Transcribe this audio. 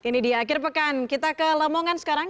ini di akhir pekan kita ke lamongan sekarang